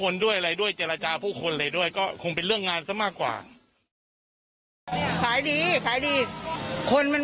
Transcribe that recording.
ใช่ท้าเวชสุวรรณเนี่ยคนชอบมากเลยขึ้น